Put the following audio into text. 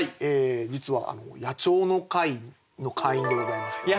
実は野鳥の会の会員でございまして。